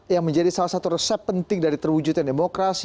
yang menjadi salah satu resep penting dari terwujudnya demokrasi